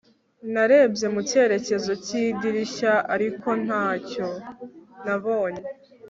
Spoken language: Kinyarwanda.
narebye mu cyerekezo cy'idirishya, ariko ntacyo nabonye